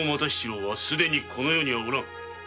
郎はこの世にはおらん。